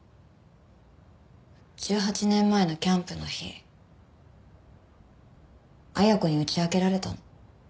１８年前のキャンプの日恵子に打ち明けられたの。